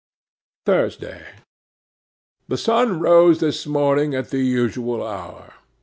'Thursday. 'THE sun rose this morning at the usual hour.